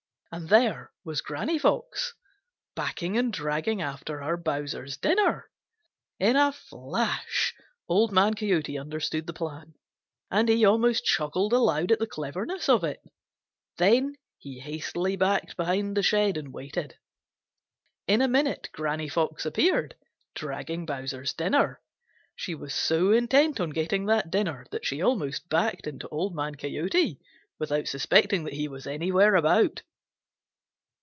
And there was Granny Fox, backing and dragging after her Bowser's dinner. In a flash Old Man Coyote understood the plan, and he almost chuckled aloud at the cleverness of it. Then he hastily backed behind the shed and waited. In a minute Granny Fox appeared, dragging Bowser's dinner. She was so intent on getting that dinner that she almost backed into Old Man Coyote without suspecting that he was anywhere about.